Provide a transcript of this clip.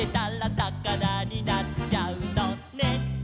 「さかなになっちゃうのね」